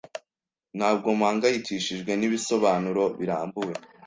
Ntabwo mpangayikishijwe nibisobanuro birambuye.